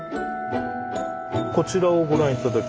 こちらをご覧頂けますか。